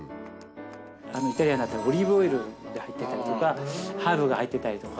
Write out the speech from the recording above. イタリアンだったらオリーブオイルが入ってたりとかハーブが入ってたりとか。